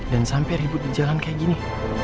dan sampe ribut jalan kayak gini